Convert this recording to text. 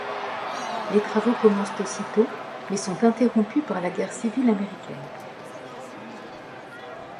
Les travaux commencent aussitôt, mais sont interrompus par la guerre civile américaine.